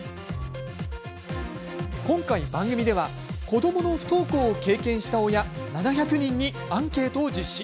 今回、番組では子どもの不登校を経験した親７００人にアンケートを実施。